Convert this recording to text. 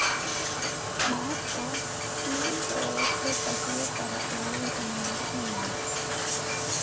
Mwaasa, siiri soowetthu khahiwe para owuuza maviziinyu.